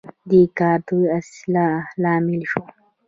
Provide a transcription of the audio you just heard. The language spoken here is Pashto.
دې کار د اصلاح لامل شو.